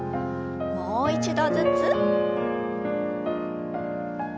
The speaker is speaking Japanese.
もう一度ずつ。